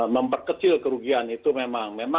memperkecil kerugian itu memang